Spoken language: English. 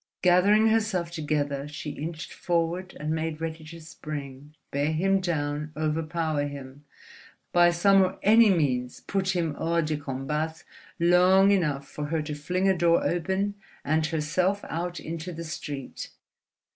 Gathering herself together, she inched forward and made ready to spring, bear him down, overpower him—by some or any means put him hors de combat long enough for her to fling a door open and herself out into the street....